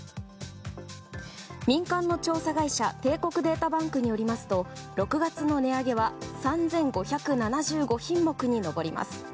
民間の調査会社帝国データバンクによりますと６月の値上げは３５７５品目に上ります。